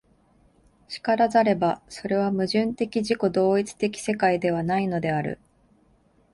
然らざれば、それは矛盾的自己同一的世界ではないのである。